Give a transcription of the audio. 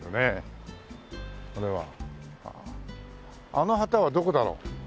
あの旗はどこだろう？